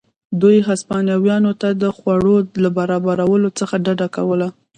دوی هسپانویانو ته د خوړو له برابرولو څخه ډډه کوله.